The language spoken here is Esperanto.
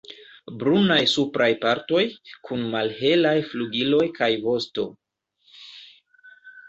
Brunaj supraj partoj, kun malhelaj flugiloj kaj vosto.